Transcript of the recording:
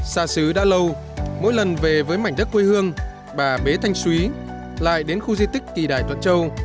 xa xứ đã lâu mỗi lần về với mảnh đất quê hương bà bế thanh suý lại đến khu di tích kỳ đại thuận châu